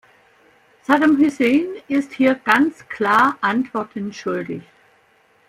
Saddam Hussein ist hier ganz klar Antworten schuldig.